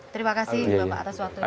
terima kasih juga pak atas waktunya